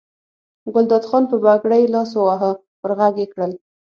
ګلداد خان په پګړۍ لاس وواهه ور غږ یې کړل.